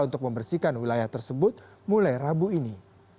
untuk membersihkan wilayah tersebut mulai rabu ini